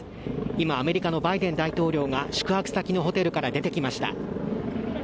今、アメリカのバイデン大統領が宿泊先のホテルから出てきました。